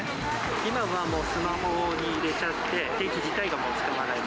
今はもう、スマホに入れちゃって、定期自体が使わない。